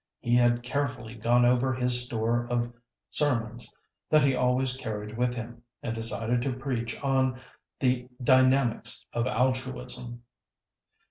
He had carefully gone over his store of sermons that he always carried with him, and decided to preach on "The Dynamics of Altruism."